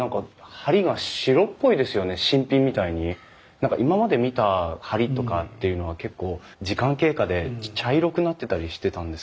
何か今まで見た梁とかっていうのは結構時間経過で茶色くなってたりしてたんですけど。